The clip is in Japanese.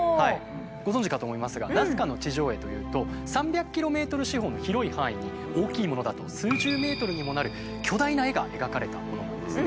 ご存じかと思いますが「ナスカの地上絵」というと３００キロメートル四方の広い範囲に大きいものだと数十メートルにもなる巨大な絵が描かれたものなんですね。